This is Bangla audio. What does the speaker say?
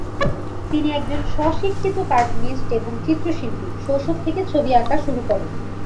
তিনি একজন স্ব শিক্ষিত কার্টুনিস্ট এবং চিত্রশিল্পী, শৈশব থেকে ছবি আঁকা শুরু করেন।